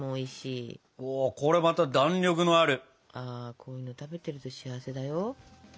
こういうの食べてると幸せだよ。